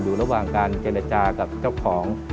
อยู่ระหว่างการเจรจากับเจ้าของ